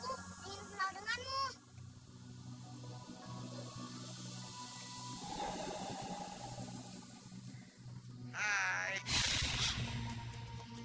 biumku ingin bernafas denganmu